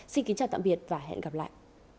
xin kính chào tạm biệt và hẹn gặp lại